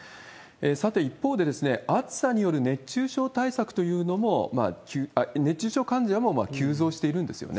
さて、一方で、暑さによる熱中症対策というのも、熱中症患者も急増しているんですよね。